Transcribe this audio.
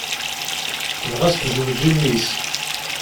Tebɣa ad s-tezweǧ i mmi-s.